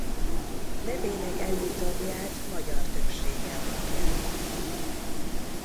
Nevének előtagját magyar többsége alapján kapta.